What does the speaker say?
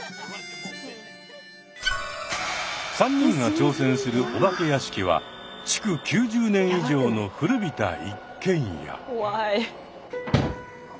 ３人が挑戦するお化け屋敷は築９０年以上の古びた一軒家。